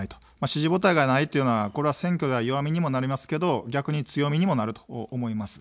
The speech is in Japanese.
支持母体がないというのは選挙では弱みにもなりますけど逆に強みにもなると思います。